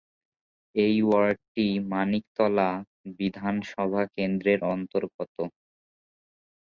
এই ওয়ার্ডটি মানিকতলা বিধানসভা কেন্দ্রের অন্তর্গত।